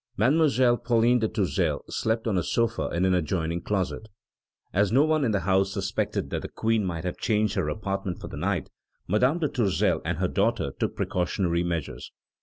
Mademoiselle Pauline de Tourzel slept on a sofa in an adjoining closet. As no one in the house suspected that the Queen might have changed her apartment for the night, Madame de Tourzel and her daughter took precautionary measures.